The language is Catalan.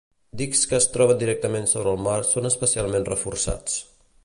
Dics que es troben directament sobre el mar són especialment reforçats.